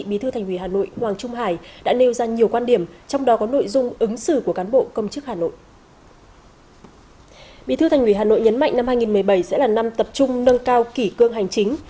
bí thư thành ủy hà nội nhấn mạnh năm hai nghìn một mươi bảy sẽ là năm tập trung nâng cao kỷ cương hành chính